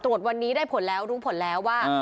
ตรวจวันนี้ได้ผลแล้วรู้ผลแล้วว่า